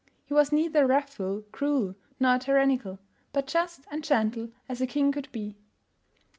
He was neither wrathful, cruel, nor tyrannical, but just and gentle as a king could be.